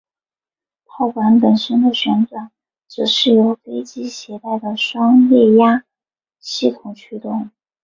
炮管本身的旋转则是由飞机携带的双液压系统驱动。